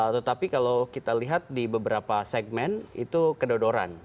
tetapi kalau kita lihat di beberapa segmen itu kedodoran